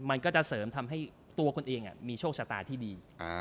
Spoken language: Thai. มันก็จะเสริมทำให้ตัวคุณเองมีโชคชะตาที่ดี